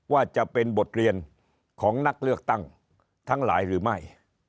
ว่าจะเป็นบทเรียนของนักเลือกตั้งทั้งหลายหรือไม่